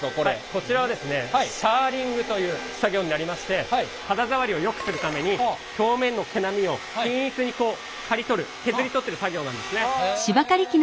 こちらはですねシャーリングという作業になりまして肌触りをよくするために表面の毛並みを均一に刈り取る削り取ってる作業なんですね。